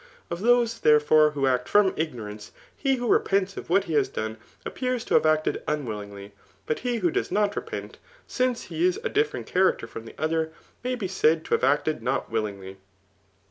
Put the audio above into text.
Of those, therefore, who act from ignorance^ he who repents of what he has done, appears to have acted unwillmgly } but he who does not repent, since he is a different character from the other, may be said to have acted not willingly.